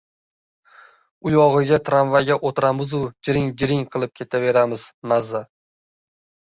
U yog‘iga tramvayga o‘tiramizu jiring-jiring qilib ketaveramiz. Maza!